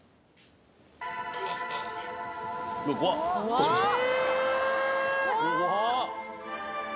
どうしました？